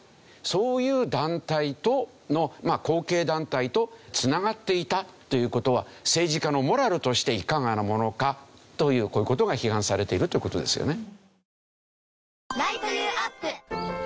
そういう団体とのまあ後継団体と繋がっていたという事は政治家のモラルとしていかがなものかというこういう事が批判されているという事ですよね。